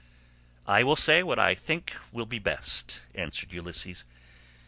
"I will say what I think will be best," answered Ulysses.